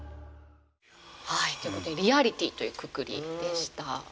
はいということでリアリティというくくりでした。